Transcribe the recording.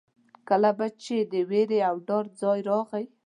کله به چې د وېرې او ډار ځای راغی.